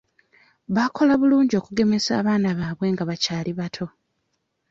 Baakola bulungi okugemesa abaana baabwe nga bakyali bato.